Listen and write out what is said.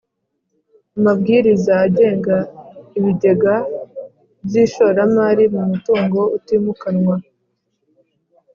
Amabwiriza agenga ibigega by ishoramari mu mutungo utimukanwa